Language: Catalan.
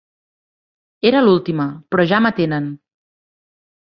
Era l'última, però ja m'atenen.